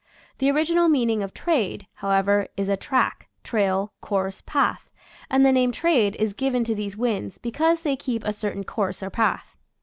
The original meaning of " trade," how ever, is a track, trail, course, path; and the name trade is given to these winds because they keep a certain course or path.